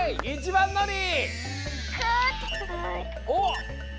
おっ！